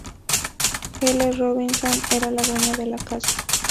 Elle Robinson era la dueña de la casa.